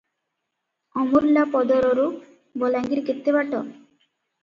ଅମୁର୍ଲାପଦରରୁ ବଲାଙ୍ଗୀର କେତେ ବାଟ?